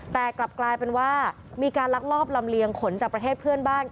แต่กลับกลายเป็นว่ามีการลักลอบลำเลียงขนจากประเทศเพื่อนบ้าน